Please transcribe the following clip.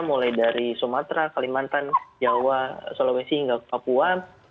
mulai dari sumatera kalimantan jawa sulawesi hingga papua